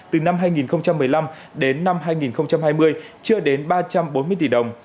từ năm hai nghìn một mươi năm đến năm hai nghìn hai mươi chưa đến ba trăm bốn mươi tỷ đồng